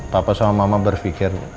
papa sama mama berfikir